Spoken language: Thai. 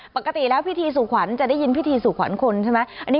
ปกติแล้วพิธีสู่ขวัญจะได้ยินพิธีสู่ขวัญคนใช่ไหม